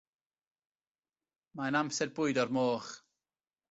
Mae'n amser bwydo'r moch.